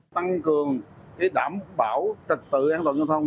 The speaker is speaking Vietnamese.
tăng cường đảm bảo trật tự an toàn giao thông